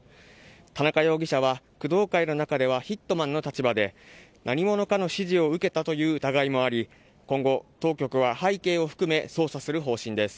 田中容疑者は工藤会の中ではヒットマンの立場で何者かの指示を受けたという疑いもあり今後、当局は背景を含め捜査する方針です。